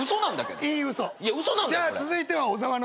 じゃあ続いては小沢のターン。